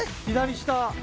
左下。